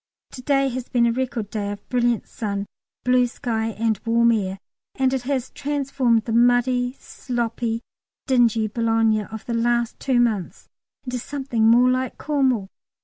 To day has been a record day of brilliant sun, blue sky and warm air, and it has transformed the muddy, sloppy, dingy Boulogne of the last two months into something more like Cornwall.